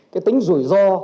cái tính rủi ro